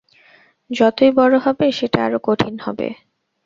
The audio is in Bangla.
যতই বড় হবে, সেটা আরও কঠিন হবে।